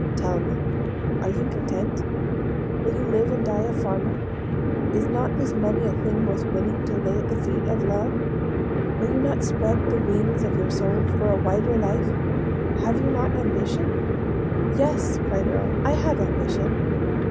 Tell me, are you content? Will you live and die a farmer? Is not this money a thing worth winning to lay at the feet of love? Will you not spread the wings of your soul for a wider life? Have you not ambition?" "Yes!" cried Earle; "I have ambition."